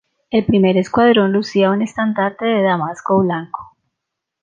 El primer escuadrón lucía un estandarte de damasco blanco.